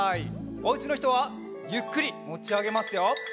おうちのひとはゆっくりもちあげますよ。